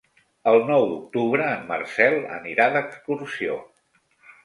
El nou d'octubre en Marcel anirà d'excursió.